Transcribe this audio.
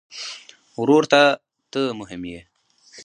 ورور ته ته مهم یې.